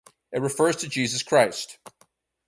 It refers to Jesus Christ.